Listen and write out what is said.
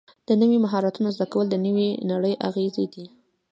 د نویو مهارتونو زده کول د نوې نړۍ اغېزې دي.